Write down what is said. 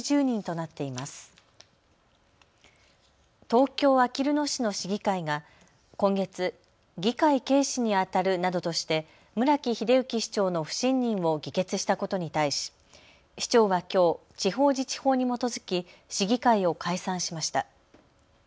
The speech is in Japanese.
東京あきる野市の市議会が今月、議会軽視にあたるなどとして村木英幸市長の不信任を議決したことに対し市長はきょう地方自治法に基づき市議会を解散しました。